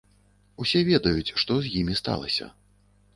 Усе ведаюць, што з імі сталася.